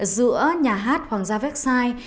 giữa nhà hát hoàng gia vecchiai